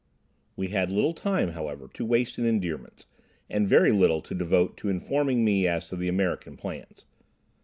We had little time, however, to waste in endearments, and very little to devote to informing me as to the American plans.